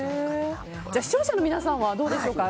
じゃあ視聴者の皆さんはどうでしょうか。